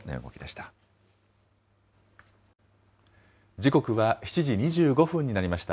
時刻は７時２５分になりました。